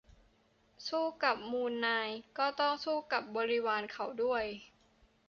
- สู้กับมูลนาย ก็ต้องสู้กับบริวารเขาด้วย